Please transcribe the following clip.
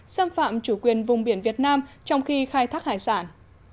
xâm phạm chủ quyền vùng biển việt nam trong khi khai thác hải sản